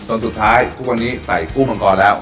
สุดท้ายทุกวันนี้ใส่กุ้งมังกรแล้ว